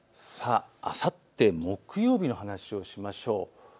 あさって、木曜日の話をしましょう。